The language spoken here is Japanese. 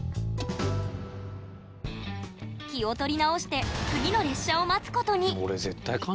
気を取り直して次の列車を待つことに。